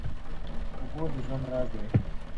اوبه د ژوند راز دی.